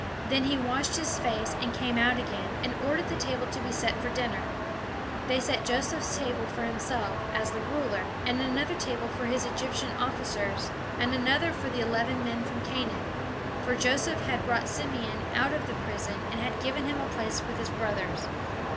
Then he washed his face, and came out again, and ordered the table to be set for dinner. They set Joseph's table for himself, as the ruler, and another table for his Egyptian officers, and another for the eleven men from Canaan; for Joseph had brought Simeon out of the prison, and had given him a place with his brothers.